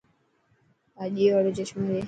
ڀاڄي واڙو چمچو ڏي.